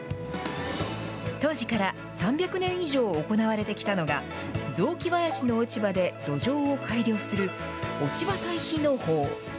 当時から３００年以上行われてきたのが、雑木林の落ち葉で土壌を改良する落ち葉堆肥農法。